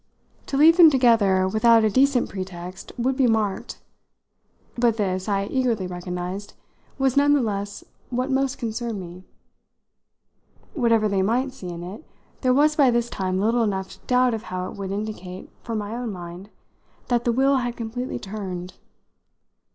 To leave them together without a decent pretext would be marked; but this, I eagerly recognised, was none the less what most concerned me. Whatever they might see in it, there was by this time little enough doubt of how it would indicate for my own mind that the wheel had completely turned.